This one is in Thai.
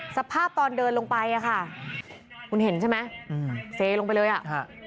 สภาพตอนเดินลงไปอ่ะค่ะคุณเห็นใช่ไหมอืมเซลงไปเลยอ่ะฮะ